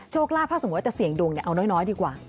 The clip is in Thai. ลาบถ้าสมมุติว่าจะเสี่ยงดวงเอาน้อยดีกว่า